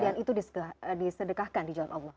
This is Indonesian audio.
dan itu disedekahkan di jalan allah